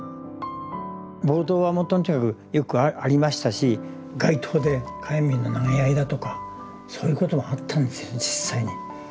暴動はもうとにかくよくありましたし街頭で火炎瓶の投げ合いだとかそういうこともあったんですよね実際に。